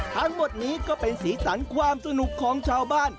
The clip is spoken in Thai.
ทั้งหมดนี้ก็เป็นสีสันความสนุกของชาวบ้าน